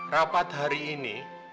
rapat hari ini